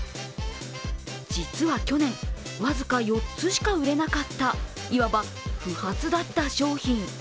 実は去年、僅か４つしか売れなかった、いわば、不発だった商品。